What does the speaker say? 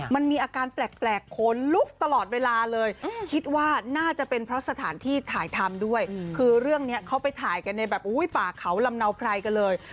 มันมีอาการแปลกขนลุกตลอดเวลาเลยคิดว่าน่าจะเป็นเพราะสถานที่ถ่ายทำด้วยคือเรื่องนี้เขาไปถ่ายกันในแบบป่าเขาลำเนาไพรกันเลย